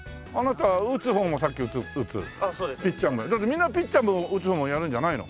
みんなピッチャーも打つのもやるんじゃないの？